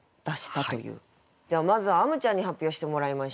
ではまずはあむちゃんに発表してもらいましょう。